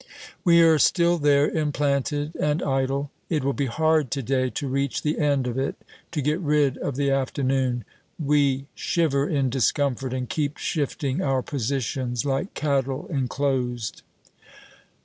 We are still there, implanted and idle. It will be hard to day to reach the end of it, to get rid of the afternoon. We shiver in discomfort, and keep shifting our positions, like cattle enclosed.